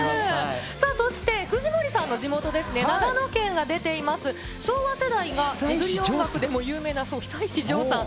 そして藤森さんの地元ですね、長野県が出ています、昭和世代が、ジブリ音楽でも有名な久石譲さん。